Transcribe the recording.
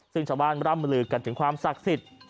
ซึ่งชาวบ้านร่ำลือกันถึงความศักดิ์สิทธิ์